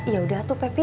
ya udah atu pepi